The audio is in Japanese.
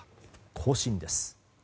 更新です。